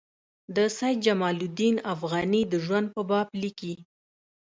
د سید جمال الدین افغاني د ژوند په باب لیکي.